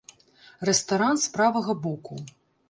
Рэстаран з правага боку.